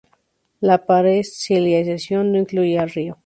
La parcelación no incluía al río.